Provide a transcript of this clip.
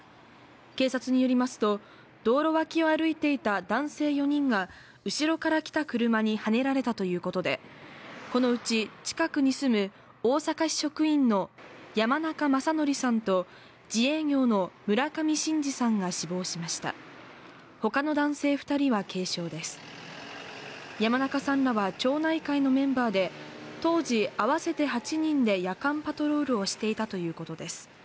警察によりますと道路脇を歩いていた男性４人が後ろから来た車にはねられたということでこのうち近くに住む大阪市職員の山中正規さんと自営業の村上伸治さんが死亡しましたほかの男性二人は軽傷です山中さんは町内会のメンバーで当時合わせて８人で夜間パトロールをしていたということです